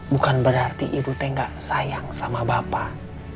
bukan berarti ibu teh gak sayang sama bapak